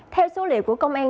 theo số liệu của công an